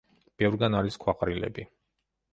ბევრგან არის ქვაყრილები.